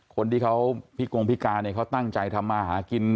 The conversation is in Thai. คนที่เขาครุ่งพิการเขาตั้งใจทำมาหากิน